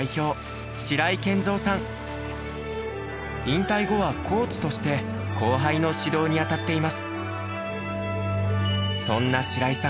引退後はコーチとして後輩の指導に当たっています。